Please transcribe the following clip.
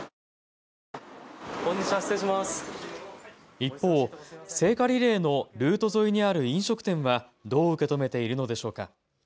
一方、聖火リレーのルート沿いにある飲食店はどう受け止めているのでしょうか。